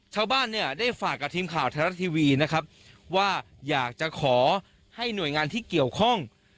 ชาวบ้านเนี่ยได้ฝากกับทีมข่าวไทยรัฐทีวีนะครับว่าอยากจะขอให้หน่วยงานที่เกี่ยวข้อง